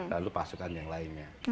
lalu pasukan yang lainnya